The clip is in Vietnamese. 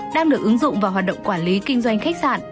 đang được ứng dụng vào hoạt động quản lý kinh doanh khách sạn